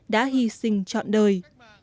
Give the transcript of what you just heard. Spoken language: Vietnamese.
đã hy sinh trọn đời